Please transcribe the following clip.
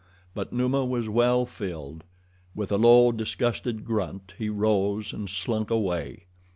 But Numa was well filled. With a low, disgusted grunt he rose and slunk away.